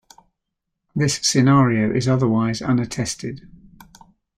This scenario is otherwise unattested.